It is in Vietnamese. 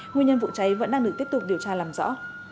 nguyên nhân vụ cháy vẫn đang được tiếp tục điều tra làm rõ